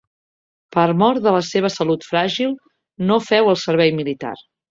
Per mor de la seva salut fràgil no feu el servei militar.